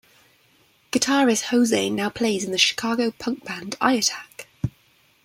Guitarist Jose now plays in the Chicago punk band I Attack.